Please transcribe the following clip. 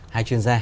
hai chuyên gia